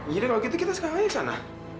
yaudah kalau gitu kita sekarang aja ke sana